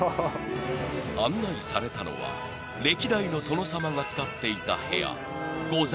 ［案内されたのは歴代の殿様が使っていた部屋］